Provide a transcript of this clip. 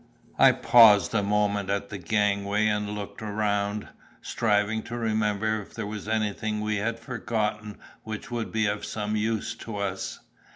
I paused a moment at the gangway and looked around, striving to remember if there was anything we had forgotten which would be of some use to us.